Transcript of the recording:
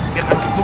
biar kan untuk buku